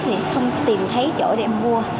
thì không tìm thấy chỗ để mua